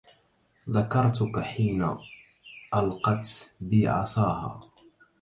ذكرتك حين ألقت بي عصاها